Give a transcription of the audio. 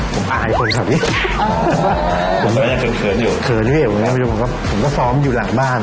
ก็ซื้อรถเข็นคันหนึ่ง